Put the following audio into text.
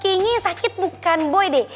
kayaknya yang sakit bukan boy deh